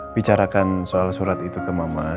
bicarakan soal surat itu ke mama